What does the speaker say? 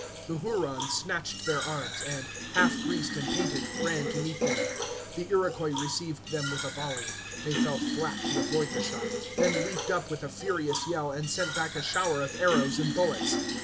The Hurons snatched their arms, and, half greased and painted, ran to meet them. The Iroquois received them with a volley. They fell flat to avoid the shot, then leaped up with a furious yell, and sent back a shower of arrows and bullets.